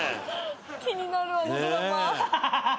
気になるあのドラマ。